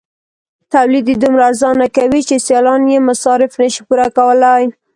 تولید یې دومره ارزانه کوي چې سیالان یې مصارف نشي پوره کولای.